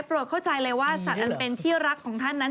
เข้าใจเลยว่าสัตว์อันเป็นที่รักของท่านนั้น